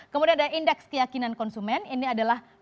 kemudian ada indeks keyakinan konsumen ini adalah